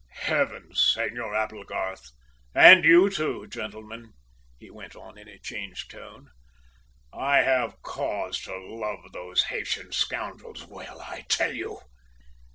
"Heavens! Senor Applegarth, and you, too, gentlemen," he went on in a changed tone. "I have cause to love those Haytian scoundrels well, I tell you!